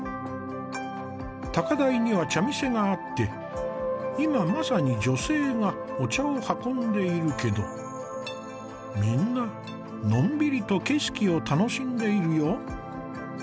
高台には茶店があって今まさにお茶を運んでいるけどみんなのんびりと景色を楽しんでいるよ。